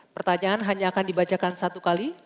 pertanyaan hanya akan dibacakan satu kali